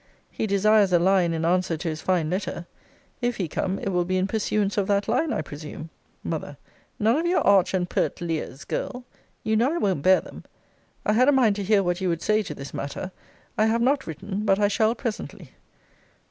He desires a line in answer to his fine letter. If he come, it will be in pursuance of that line, I presume? M. None of your arch and pert leers, girl! You know I won't bear them. I had a mind to hear what you would say to this matter. I have not written; but I shall presently.